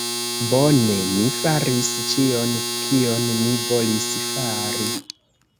Bone. Mi faris ĉion, kion mi volis fari.